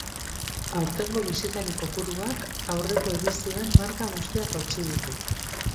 Autengo bisitarikopuruak aurreko edizioen marka guztiak hautsi ditu.